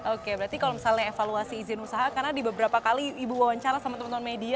oke berarti kalau misalnya evaluasi izin usaha karena di beberapa kali ibu wawancara sama teman teman media